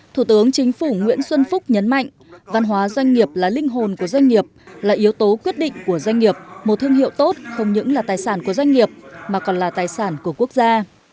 thủ tướng chính phủ nguyễn xuân phúc nhấn mạnh văn hóa doanh nghiệp là linh hồn của doanh nghiệp là yếu tố quyết định của doanh nghiệp một thương hiệu tốt không những là tài sản của doanh nghiệp mà còn là tài sản của quốc gia